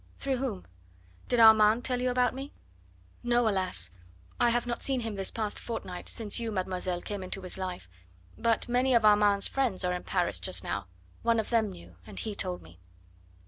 "Through whom? Did Armand tell you about me?" "No, alas! I have not seen him this past fortnight, since you, mademoiselle, came into his life; but many of Armand's friends are in Paris just now; one of them knew, and he told me."